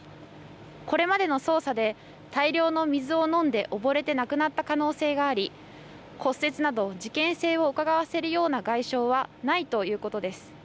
これまでの捜査で大量の水を飲んで溺れて亡くなった可能性があり骨折など事件性をうかがわせるような外傷はないということです。